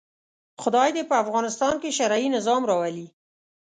خدای دې په افغانستان کې شرعي نظام راولي.